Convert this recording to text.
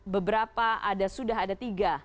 beberapa ada sudah ada tiga